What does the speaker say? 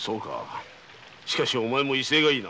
しかしお前も威勢がいいな。